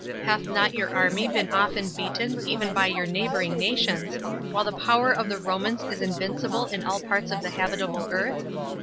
Hath not your army been often beaten even by your neighboring nations, while the power of the Romans is invincible in all parts of the habitable earth?